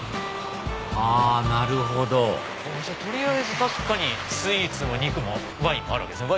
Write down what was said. あなるほど取りあえず確かにスイーツも肉もワインもあるわけですね。